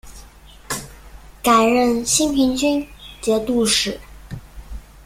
改任兴平军节度使。